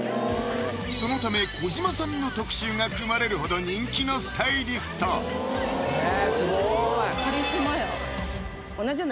そのため児嶋さんの特集が組まれるほど人気のスタイリストへぇ